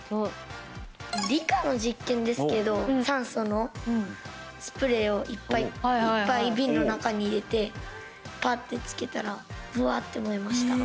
理科の実験ですけど酸素のスプレーをいっぱい瓶の中に入れてパッてつけたらぶわっと燃えました。